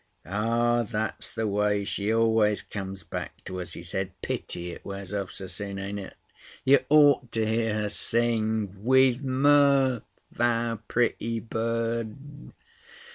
"Ah! That's the way she always comes back to us," he said. "Pity it wears off so soon, ain't it? You ought to hear her sing 'With mirth thou pretty bird.'"